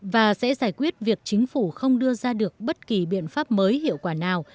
và sẽ giải quyết việc chính phủ không đưa ra được bất kỳ biện pháp mới hiệu quả nào